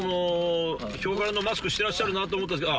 ヒョウ柄のマスクしてらっしゃるなと思ったけど。